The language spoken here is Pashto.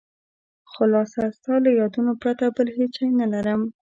خلاصه ستا له یادونو پرته بل هېڅ شی نه لرم.